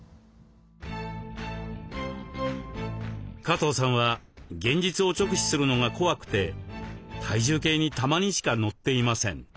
加藤さんは現実を直視するのが怖くて体重計にたまにしか乗っていません。